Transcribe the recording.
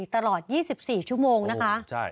ตลอด๒๔ชั่วโมงนะคะ